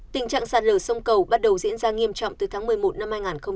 tình trạng sạt lở sông cầu bắt đầu diễn ra nghiêm trọng từ tháng một mươi một năm hai nghìn một mươi chín